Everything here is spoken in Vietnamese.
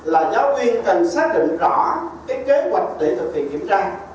là giáo viên cần xác định rõ cái kế hoạch để thực hiện kiểm tra